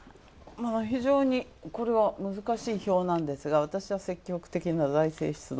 非常にこれは難しい表なんですが、私は積極的な財政出動。